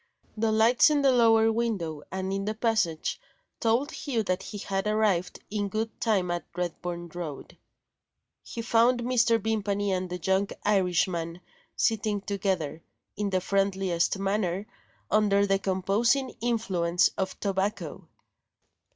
The lights in the lower window, and in the passage, told Hugh that he had arrived in good time at Redburn Road. He found Mr. Vimpany and the young Irishman sitting together, in the friendliest manner, under the composing influence of tobacco.